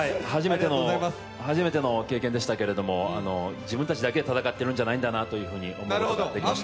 初めての経験でしたけど自分たちだけで戦ってるんじゃないんだなと思わせていただきました。